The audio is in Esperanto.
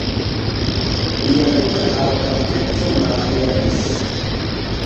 Lia tuta aroganteco malaperis.